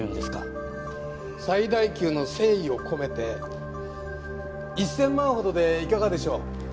最大級の誠意を込めて１０００万ほどでいかがでしょう？